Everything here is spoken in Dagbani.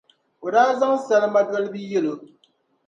o daa zaŋ salima dolibi yɛli o.